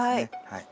はい。